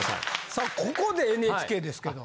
さあここでＮＨＫですけど。